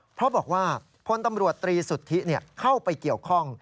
เพราะบอกว่าพลตำรวจตรีสุทธิเข้าไปเกี่ยวข้อง